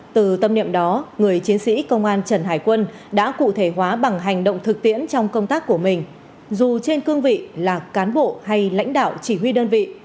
từ tâm niệm đó người chiến sĩ công an trần hải quân đã cụ thể hóa bằng hành động thực tiễn trong công tác của mình dù trên cương vị là cán bộ hay lãnh đạo chỉ huy đơn vị